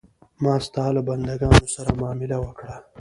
ما ستا له بندګانو سره معامله وکړه.